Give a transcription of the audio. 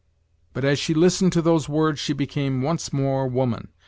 But as she listened to these words she became once more woman.